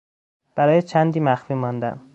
برای چندی مخفی ماندن